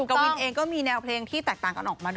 เกาวินเองก็มีแนวเพลงต่างต่างกันออกมา